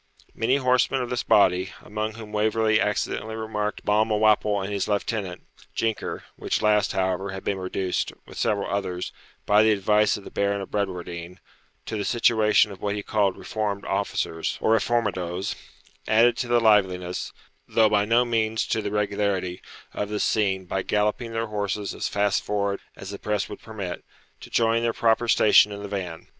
Many horsemen of this body, among whom Waverley accidentally remarked Balmawhapple and his lieutenant, Jinker (which last, however, had been reduced, with several others, by the advice of the Baron of Bradwardine, to the situation of what he called reformed officers, or reformadoes), added to the liveliness, though by no means to the regularity, of the scene, by galloping their horses as fast forward as the press would permit, to join their proper station in the van.